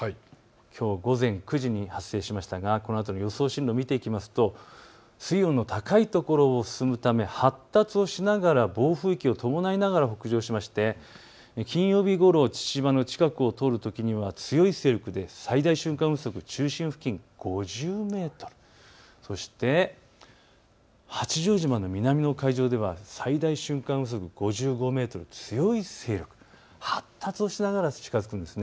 きょう午前９時に発生しましたがこのあとの予想進路を見ていくと水温の高い所を進むため発達をしながら暴風域を伴いながら北上して金曜日ごろ、父島の近くを通るときには強い勢力で最大瞬間風速、中心付近５０メートル、そして、八丈島の南の海上では最大瞬間風速５５メートル、強い勢力、発達をしながら近づくんです。